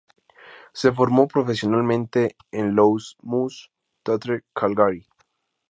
Se formó profesionalmente en Loose Moose Theatre, Calgary.